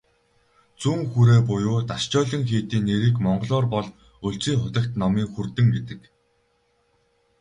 Зүүн хүрээ буюу "Дашчойлин" хийдийн нэрийг монголоор бол "Өлзий хутагт номын хүрдэн" гэдэг.